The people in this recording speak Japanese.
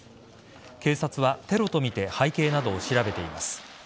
警察はテロとみて背景などを調べています。